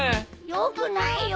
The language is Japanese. よくないよ！